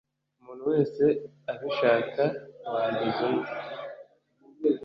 umuntu wese abishaka wanduza undi